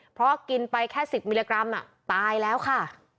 เพราะกินไปแค่๑๐มิลลิกรัมตายแล้วค่ะ